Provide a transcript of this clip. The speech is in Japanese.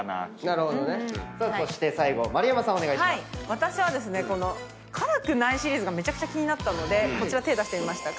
私は辛くないシリーズがめちゃくちゃ気になったのでこちら手出してみました。